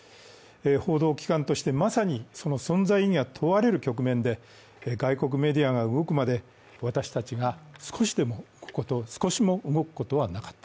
報道機関としてまさにその存在意義が問われる局面で外国メディアが動くまで私たちが少しでも動くことはなかった。